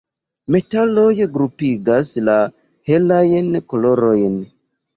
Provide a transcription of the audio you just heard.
Metaloj grupigas la "helajn kolorojn".